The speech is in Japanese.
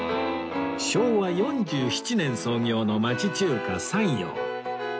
昭和４７年創業の町中華三陽